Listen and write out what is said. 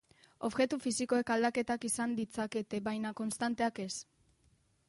Objektu fisikoek aldaketak izan ditzakete, baina konstanteak ez.